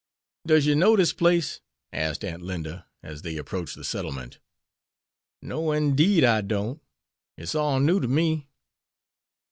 "Does you know dis place?" asked Aunt Linda, as they approached the settlement. "No'n 'deed I don't. It's all new ter me."